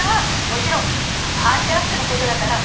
「もちろん相手あっての事だから」